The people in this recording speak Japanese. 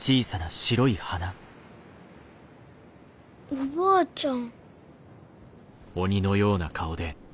おばあちゃん。